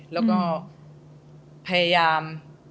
แล้วก็พยายาม